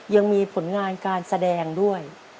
ยังมีผลงานการแสดงด้วย